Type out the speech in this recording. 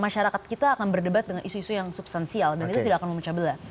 masyarakat kita akan berdebat dengan isu isu yang substansial dan itu tidak akan memecah belah